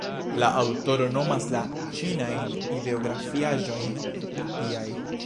La aŭtoro nomas la ĉinajn ideografiaĵojn tiaj.